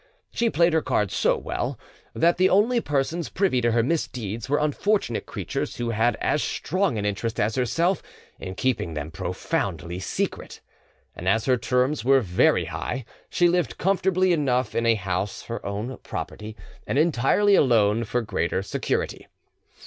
She played her cards so well, that the only persons privy to her misdeeds were unfortunate creatures who had as strong an interest as herself in keeping them profoundly secret; and as her terms were very high, she lived comfortably enough in a house her own property, and entirely alone, for greater security.